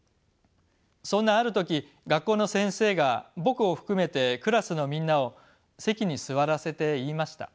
そんなある時学校の先生が僕を含めてクラスのみんなを席に座らせて言いました。